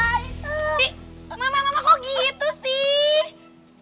bi mama mama kok gitu sih